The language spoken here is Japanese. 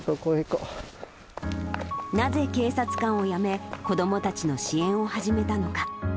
なぜ警察官を辞め、子どもたちの支援を始めたのか。